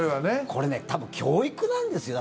これね、多分教育なんですよ。